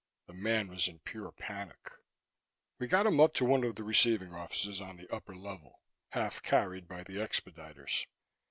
The man was in pure panic. We got him up to one of the receiving offices on the upper level, half carried by the expediters.